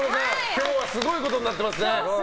今日はすごいことになってますね。